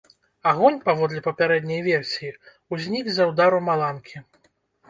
Агонь, паводле папярэдняй версіі, узнік з-за ўдару маланкі.